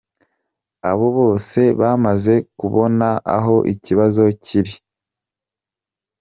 Abo bose bamaze kubona aho ikibazo kiri!